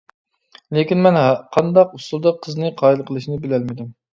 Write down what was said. لېكىن مەن قانداق ئۇسۇلدا قىزنى قايىل قىلىشنى بىلەلمىدىم.